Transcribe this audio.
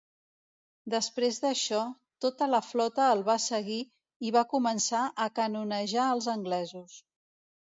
Després d'això, tota la flota el va seguir i va començar a canonejar els anglesos.